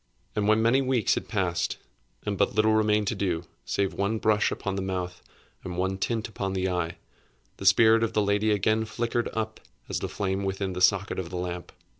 And when many weeks had passed, and but little remained to do, save one brush upon the mouth and one tint upon the eye, the spirit of the lady again flickered up as the flame within the socket of the lamp.